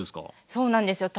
そうなんですよ。